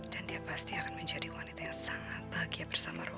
dia pasti akan menjadi wanita yang sangat bahagia bersama roy